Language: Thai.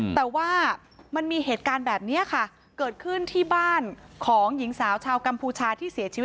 แต่ว่ามันมีเหตุการณ์แบบนี้ค่ะเกิดขึ้นที่บ้านของหญิงสาวชาวกัมพูชาที่เสียชีวิต